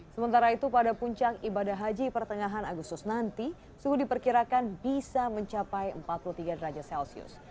sementara itu pada puncak ibadah haji pertengahan agustus nanti suhu diperkirakan bisa mencapai empat puluh tiga derajat celcius